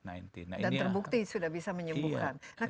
dan terbukti sudah bisa menyembuhkan